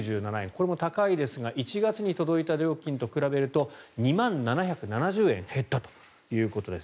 これも高いですが１月に届いた料金と比べると２万７７０円減ったということです。